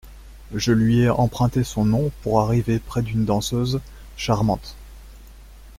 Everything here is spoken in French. Je lui ai emprunté son nom pour arriver près d’une danseuse… charmante !